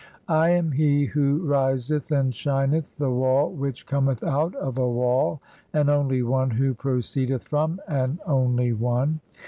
I am he who riseth and shineth, "the wall which cometh out of a wall, an only One who pro "ceedeth from an only One.